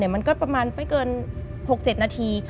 มันก็ประมาณไม่เกิน๖๗นาที